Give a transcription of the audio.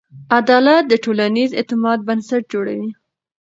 عدالت د ټولنیز اعتماد بنسټ جوړوي.